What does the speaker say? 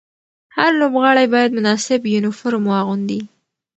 هر لوبغاړی باید مناسب یونیفورم واغوندي.